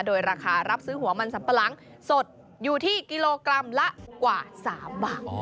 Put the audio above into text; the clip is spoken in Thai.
โดยราคารับซื้อหัวมันสัมปะหลังสดอยู่ที่กิโลกรัมละกว่า๓บาท